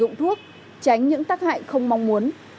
bệnh thuốc tránh những tác hại không mong muốn